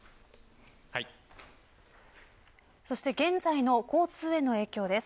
そして、現在の交通への影響です。